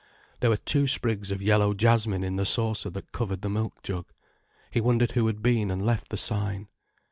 There were two sprigs of yellow jasmine in the saucer that covered the milk jug. He wondered who had been and left the sign.